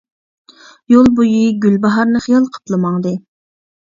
يول بويى گۈلباھارنى خىيال قىلىپلا ماڭدى.